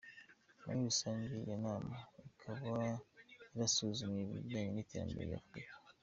Muri rusange iyo nama ikaba yarasuzumye ibijyanye n’iterambere ry’Afurika.